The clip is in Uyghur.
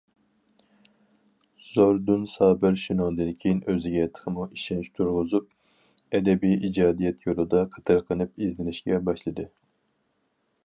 زوردۇن سابىر شۇنىڭدىن كىيىن ئۆزىگە تېخىمۇ ئىشەنچ تۇرغۇزۇپ ئەدەبىي ئىجادىيەت يولىدا قېتىرقىنىپ ئىزدىنىشكە باشلىدى.